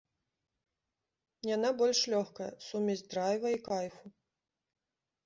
Яна больш лёгкая, сумесь драйва і кайфу.